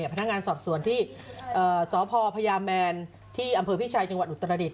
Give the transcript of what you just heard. พนักงานสอบสวนที่สพพญาแมนที่อำเภอพิชัยจังหวัดอุตรดิษ